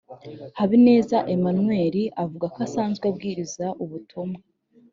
Habineza Emmanuel avuga ko asanzwe abwiriza ubutumwa